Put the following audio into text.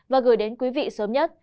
và gửi đến quý vị sớm nhất